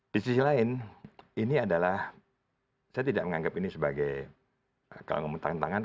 di sisi lain ini adalah saya tidak menganggap ini sebagai kalau ngomong tangan tangan